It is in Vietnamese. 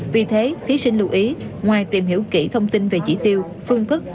vì thế thí sinh lưu ý ngoài tìm hiểu kỹ thông tin về chỉ tiêu phương thức